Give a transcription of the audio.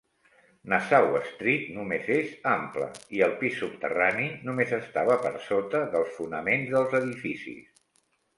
Nassau Street només és ample, i el pis subterrani només estava per sota dels fonaments dels edificis.